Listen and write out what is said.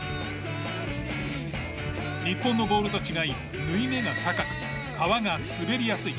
日本のボールと違い縫い目が高く革が滑りやすい。